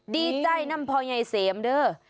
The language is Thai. ดีใจนำพอยายเสมเด้อ